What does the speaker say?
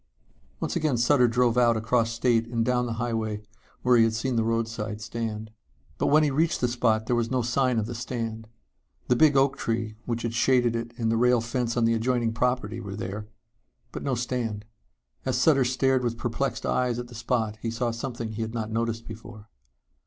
Once again Sutter drove out across state and down the highway where he had seen the roadside stand. But when he reached the spot there was no sign of the stand. The big oak tree which had shaded it and the rail fence on the adjoining property were there. But no stand. As Sutter stared with perplexed eyes at the spot he saw something he had not noticed before.